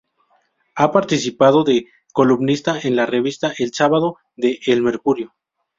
Ha participado de columnista en la revista "El Sábado" de "El Mercurio".